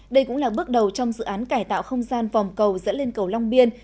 đây cũng là bước đầu trong dự án cải tạo không gian vòng cầu dẫn lên cầu long biên